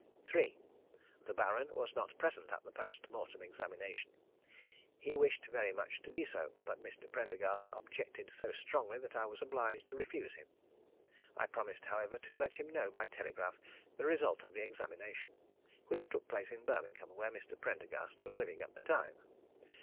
3. The Baron was not present at the post mortem examination. He wished very much to be so, but Mr. Prendergast objected so strongly that I was obliged to refuse him. I promised, however, to let him know by telegraph the result of the examination, which took place at Birmingham, where Mr. Prendergast was living at the time.